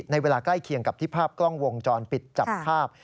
เวลาใกล้เคียงกับที่ภาพกล้องวงจรปิดจับภาพ